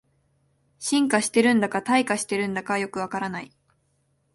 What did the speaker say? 進化してるんだか退化してるんだかよくわからない